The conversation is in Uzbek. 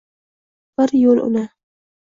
Bir yo’l uni